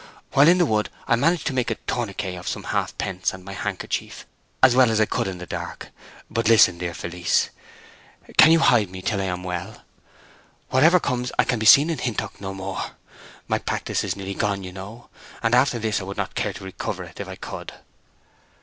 While in the wood I managed to make a tourniquet of some half pence and my handkerchief, as well as I could in the dark....But listen, dear Felice! Can you hide me till I am well? Whatever comes, I can be seen in Hintock no more. My practice is nearly gone, you know—and after this I would not care to recover it if I could."